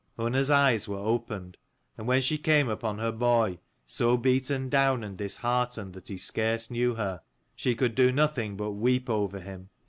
Unna's eyes were opened, and when she came upon her boy, so beaten down and disheartened that he scarce knew her, she could do nothing but weep over him.